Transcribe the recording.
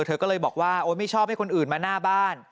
เธอก็เลยบอกว่าโอ๊ยไม่ชอบให้คนอื่นมาหน้าบ้าน